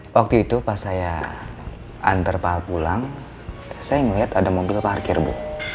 waktu itu pas saya antar pak al pulang saya ngeliat ada mobil parkir bu